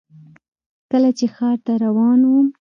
کله چې ښار ته روان وم .